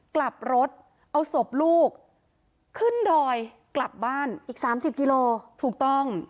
กลับรถเอาศพลูกขึ้นดอยกลับบ้านอีก๓๐กิโลถูกต้อง